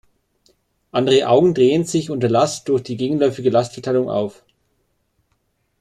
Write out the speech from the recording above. Andere Augen drehen sich unter Last durch die gegenläufige Lastverteilung auf.